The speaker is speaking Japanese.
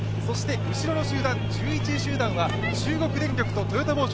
後ろの１１位集団は中国電力とトヨタ紡織。